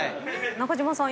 中島さん